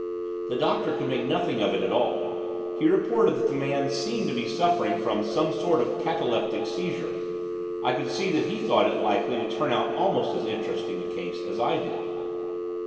The doctor could make nothing of it at all. He reported that the man seemed to be suffering from some sort of cataleptic seizure, I could see that he thought it likely to turn out almost as interesting a case as I did.